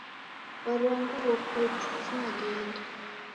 Warwa nguw'o putu fuma diende